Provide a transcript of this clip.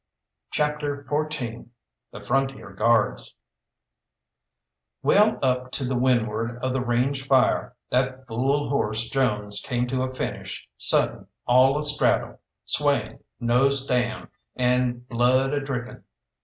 CHAPTER XIV THE FRONTIER GUARDS Well up to windward of the range fire, that fool horse Jones came to a finish sudden all a straddle, swaying, nose down, and blood a dripping.